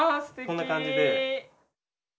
こんな感じで。